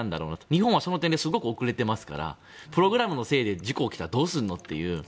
日本はその点ですごく遅れてますからプログラムのせいで事故が起きたらどうするのって。